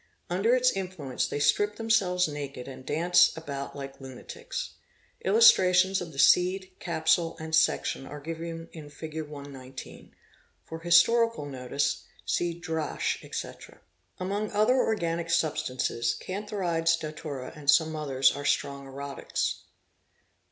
Under its influence they strip themselves naked and " dance'about like lunatics". Illustrations of the seed, capsule and section, are given in Fig. 119. For historical notice see Drasche, etc., (191066), Among organic substances, cantharides, datura, and some others are strong erotics.